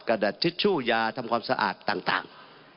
ดัดทิชชู่ยาทำความสะอาดต่าง